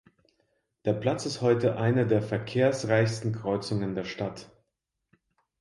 Der Platz ist heute eine der verkehrsreichsten Kreuzungen der Stadt.